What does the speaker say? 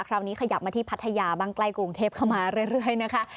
ขยับมาที่พัทยาบ้างใกล้กรุงเทพเข้ามาเรื่อยนะคะ